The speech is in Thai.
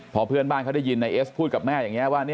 พอเพื่อนบ้านเขาได้ยินนายเอสพูดกับแม่อย่างนี้ว่า